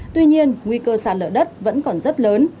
tuy nhiên nguy cơ sạt lở đất vẫn còn rất lớn